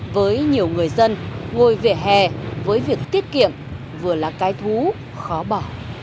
với nhiều người dân ngồi vỉa hè với việc tiết kiệm vừa là cái thú khó bỏ